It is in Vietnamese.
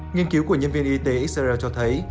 nghiên cứu của nhân viên y tế israel cho thấy